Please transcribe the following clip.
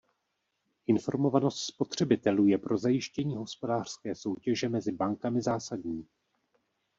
Informovanost spotřebitelů je pro zajištění hospodářské soutěže mezi bankami zásadní.